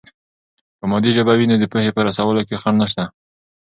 که مادي ژبه وي، نو د پوهې په رسولو کې خنډ نشته.